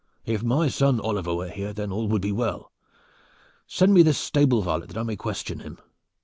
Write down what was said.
If my son Oliver were here, then all would be well. Send me this stable varlet that I may question him."